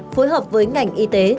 phối hợp với ngành y tế